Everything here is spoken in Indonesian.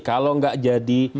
kalau nggak jadi